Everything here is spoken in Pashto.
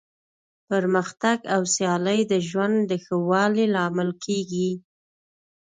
پرمختګ او سیالي د ژوند د ښه والي لامل کیږي.